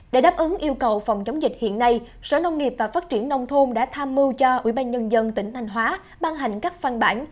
để đáp ứng yêu cầu phòng chống dịch hiện nay sở nông nghiệp và phát triển nông thôn đã tham mưu cho ubnd tỉnh thanh hóa ban hành các phan bản